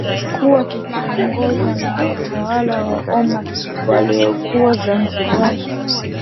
kilikuwa kikiongozwa na watawala wa Oman waliokuwa Zanzibar